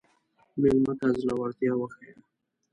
مېلمه ته زړورتیا وښیه.